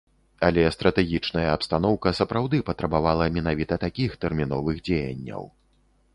Але стратэгічная абстаноўка сапраўды патрабавала менавіта такіх тэрміновых дзеянняў.